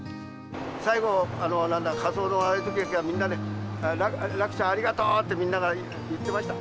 最後、火葬のときにはみんなで、楽ちゃん、ありがとうって、みんなが言ってました。